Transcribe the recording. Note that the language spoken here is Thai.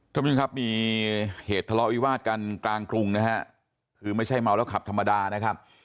ท่านผู้ชมครับมีเหตุทะเลาะวิวาสกันกลางกรุงนะฮะคือไม่ใช่เมาแล้วขับธรรมดานะครับ